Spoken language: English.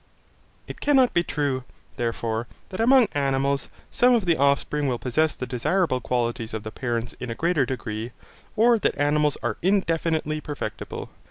It cannot be true, therefore, that among animals, some of the offspring will possess the desirable qualities of the parents in a greater degree, or that animals are indefinitely perfectible.